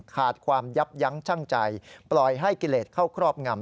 ขาดความยับยั้งชั่งใจปล่อยให้กิเลสเข้าครอบงำ